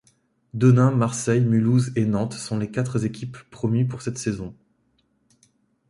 Denain, Marseille, Mulhouse et Nantes sont les quatre équipes promues pour cette saison.